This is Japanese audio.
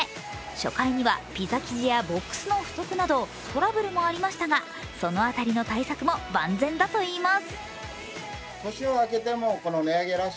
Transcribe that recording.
初回にはピザ生地やボックスの不足などトラブルもありましたが、その辺りの対策も万全だといいます。